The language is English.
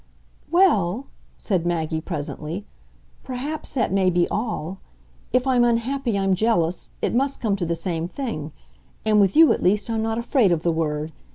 "Well," said Maggie presently, "perhaps that may be all. If I'm unhappy I'm jealous; it must come to the same thing; and with you, at least, I'm not afraid of the word.